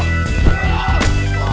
kau harus hafal penuh ya